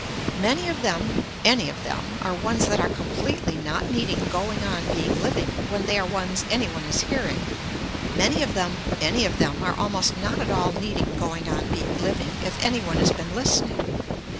Many of them, any of them are ones that are completely not needing going on being living when they are ones any one is hearing. Many of them, any of them are almost not at all needing going on being living if any one has been listening.